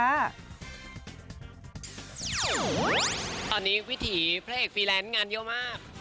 ตอนนี้วิถีพระเอกฟรีแลนซ์งานเยอะมาก